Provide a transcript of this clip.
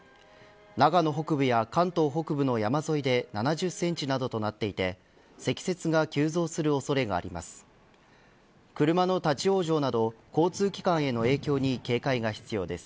長野北部や関東北部の山沿いで７０センチなどとなっていて積雪が急増する恐れがあります。